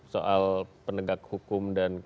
soal penegak hukum dan